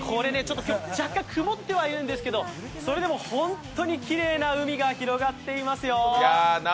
若干曇ってはいるんですけど、それでも本当にきれいな海が広がっていますよ。